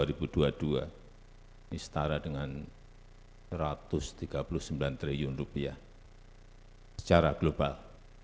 ini setara dengan rp satu ratus tiga puluh sembilan triliun secara global